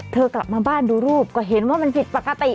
กลับมาบ้านดูรูปก็เห็นว่ามันผิดปกติ